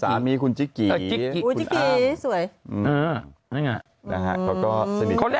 สามีคุณจิ๊กกี่คุณอ้ำ